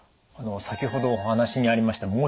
先ほどお話にありました